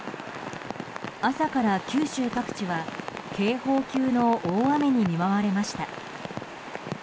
朝から九州各地は警報級の大雨に見舞われました。